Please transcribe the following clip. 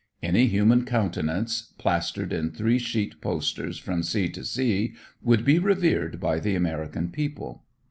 Any human countenance, plastered in three sheet posters from sea to sea, would be revered by the American people.